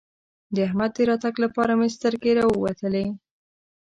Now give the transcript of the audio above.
د احمد د راتګ لپاره مې سترګې راووتلې.